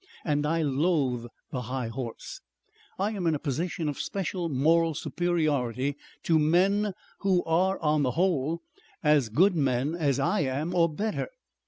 And I loathe the high horse. I am in a position of special moral superiority to men who are on the whole as good men as I am or better.